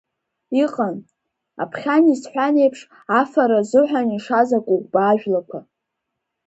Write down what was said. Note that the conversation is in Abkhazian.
Иҟан, аԥхьан исҳәан еиԥш, афара азыҳәан ишаз акәыкәбаа жәлақәа.